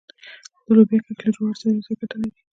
د لوبیا کښت له جوارو سره یوځای ګټه لري؟